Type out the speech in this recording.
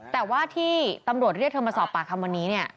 แต่ว่าที่ตำรวจเรียกเธอมาสอบปากคำวันนี้เนี่ย